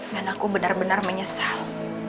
dan aku benar benar menyesal